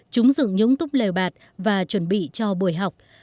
chúng dựng nhúng túc lều bạt và chuẩn bị cho buổi học